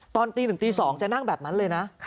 ตอนตีหนึ่งตีสองจะนั่งแบบนั้นเลยนะ